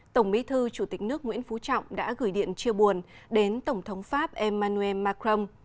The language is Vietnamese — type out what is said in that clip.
tổng bí thư chủ tịch nước nguyễn phú trọng đã gửi điện chia buồn đến tổng thống pháp emmanuel macron